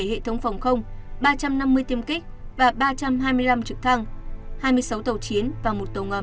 bảy trăm chín mươi bảy hệ thống phòng không ba trăm năm mươi tiêm kích và ba trăm hai mươi năm trực thăng hai mươi sáu tàu chiến và một tàu ngầm